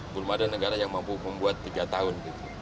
belum ada negara yang mampu membuat tiga tahun